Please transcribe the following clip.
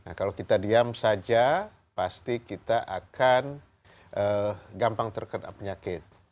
nah kalau kita diam saja pasti kita akan gampang terkena penyakit